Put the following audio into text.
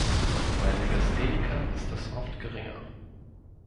Bei Legasthenikern ist es oft geringer.